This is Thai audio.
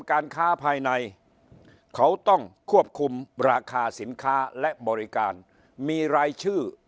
การค้าภายในเขาต้องควบคุมราคาสินค้าและบริการมีรายชื่อ